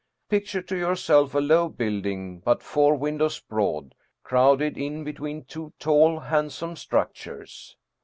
Picture to yourselves a low building but four windows broad, crowded in between two tall, handsome structures.